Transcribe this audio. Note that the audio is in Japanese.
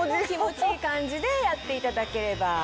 気持ちいい感じでやっていただければ。